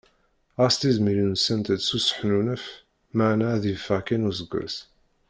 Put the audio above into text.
Ɣas tizmilin ussant-d s useḥnunef maɛna ad yeffeɣ kan useggas.